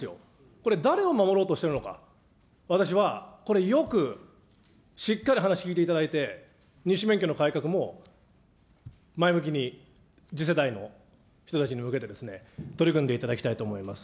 これ誰を守ろうとしているのか、私はこれ、よくしっかり話聞いていただいて、２種免許の改革も前向きに次世代の人たちに向けて取り組んでいただきたいと思います。